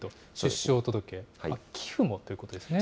出生届も、寄付もということですね。